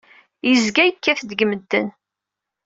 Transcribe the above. Yezga yekkat-d deg medden.